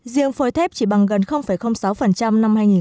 riêng phôi thép chỉ bằng gần sáu năm hai nghìn một mươi năm